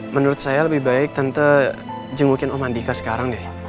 menurut saya lebih baik tante jengukin om mandika sekarang deh